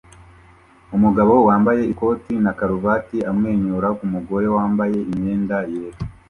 Umugabo wambaye ikoti na karuvati amwenyura ku mugore wambaye imyenda yera